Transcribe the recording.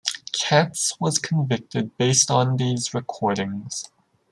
Katz was convicted based on these recordings.